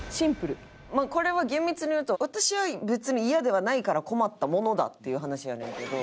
まあこれは厳密に言うと私は別にイヤではないから困ったものだっていう話やねんけど。